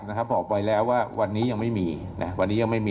ท่านพรุ่งนี้ไม่แน่ครับ